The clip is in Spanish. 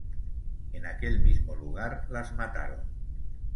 En aquel mismo lugar las mataron.